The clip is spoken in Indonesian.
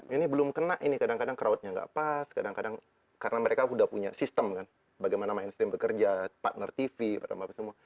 ini belum kena ini kadang kadang crowdnya nggak pas kadang kadang karena mereka sudah punya sistem kan bagaimana mainstream bekerja partner tv bagaimana semua